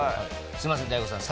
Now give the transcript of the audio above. すみませんＤＡＩＧＯさん